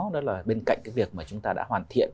đó là bên cạnh cái việc mà chúng ta đã hoàn thiện